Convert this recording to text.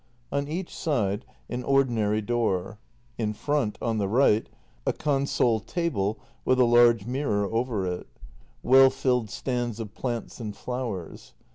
On each side, an ordinary door. In front, on the right, a console table with a large mir ror over it. Well filled stands of plants and flowers.